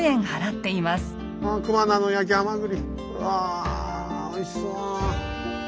うわおいしそう。